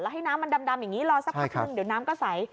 ให้น้ำมันดำอย่างนี้รอสักพักนึงเดี๋ยวน้ำก็ใส